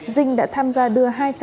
dinh đã tham gia đưa